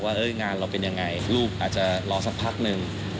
ว่างานเราเป็นยังไงลูกอาจจะรอสักพักนึง